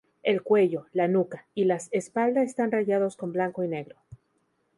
El cuello, la nuca y las espalda están rayados con blanco y negro.